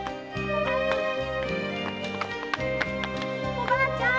おばあちゃん